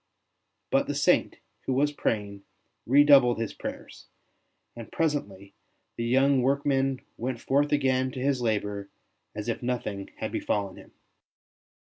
But the Saint, who was praying, redoubled his prayers; and presently the young workman went forth again to his labour as if nothing had befallen him.